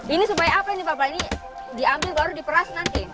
ini supaya apa ini bapak ini diambil baru diperas nanti